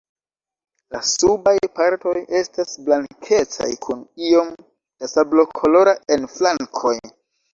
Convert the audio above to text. La subaj partoj estas blankecaj kun iom da sablokolora en flankoj.